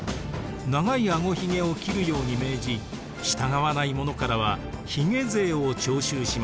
長いあごひげを切るように命じ従わない者からは「ひげ税」を徴収しました。